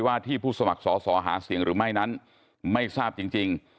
ที่ผู้สมัครสอสอหาเสียงหรือไม่นั้นไม่ทราบจริง